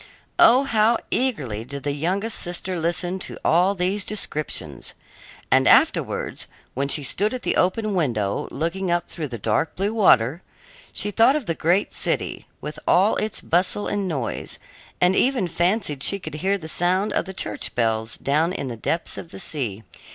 Oh, how eagerly did the youngest sister listen to all these descriptions! And afterwards, when she stood at the open window looking up through the dark blue water, she thought of the great city, with all its bustle and noise, and even fancied she could hear the sound of the church bells down in the depths of the sea.